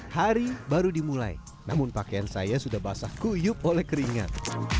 hari baru dimulai namun pakaian saya sudah basah kuyup oleh keringat